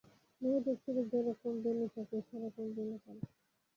মেয়েদের চুলে যে রকম বেণী থাকে, সে রকম বেণী-করা।